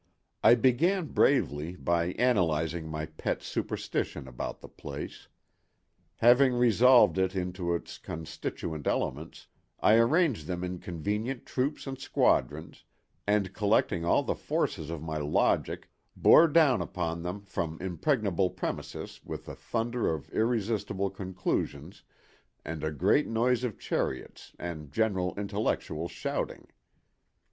I began bravely by analyzing my pet superstition about the place. Having resolved it into its constituent elements I arranged them in convenient troops and squadrons, and collecting all the forces of my logic bore down upon them from impregnable premises with the thunder of irresistible conclusions and a great noise of chariots and general intellectual shouting.